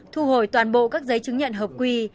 thu hồi toàn bộ các giấy chứng nhận hợp quy